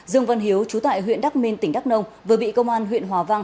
dương vân hiếu chú tại huyện đắc minh tỉnh đắc nông vừa bị công an huyện hòa vang